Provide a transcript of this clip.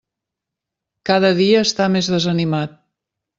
Cada dia està més desanimat.